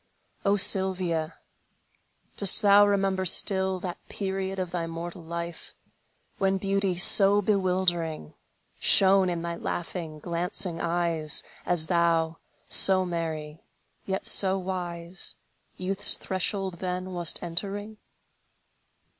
O Sylvia, dost thou remember still That period of thy mortal life, When beauty so bewildering Shone in thy laughing, glancing eyes, As thou, so merry, yet so wise, Youth's threshold then wast entering?